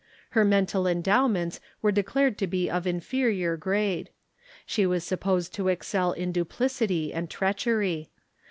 Her mental endowments were declared to be of in ferior grade. She was supposed to excel in duplicity and treachery.